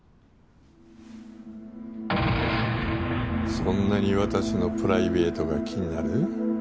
そんなに私のプライベートが気になる？